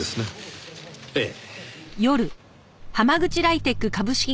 ええ。